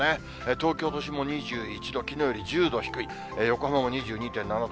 東京都心も２１度、きのうより１０度低い、横浜も２２．７度。